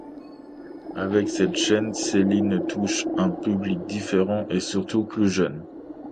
Avec cette chaîne, Céline touche un public différent et surtout plus jeune.